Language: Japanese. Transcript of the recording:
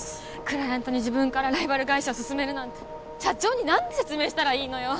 クライアントに自分からライバル会社をすすめるなんて社長に何て説明したらいいのよ？